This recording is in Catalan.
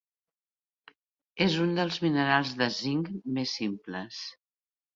És un dels minerals de zinc més simples.